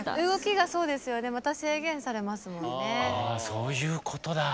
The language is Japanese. そういうことだ！